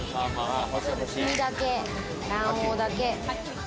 黄身だけ、卵黄だけ。